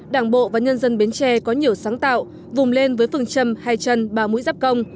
đảng bộ và nhân dân bến tre có nhiều sáng tạo vùng lên với phương châm hai chân ba mũi giáp công